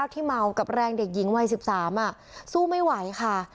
ที่เมากับแรงเด็กยิงวัยสิบสามอ่ะสู้ไม่ไหวค่ะ